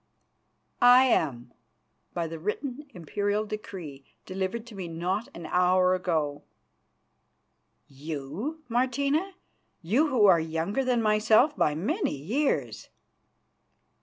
"I am, by the written Imperial decree delivered to me not an hour ago." "You, Martina, you who are younger than myself by many years?"